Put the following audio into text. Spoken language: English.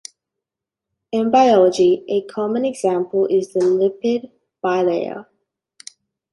In biology a common example is the Lipid bilayer.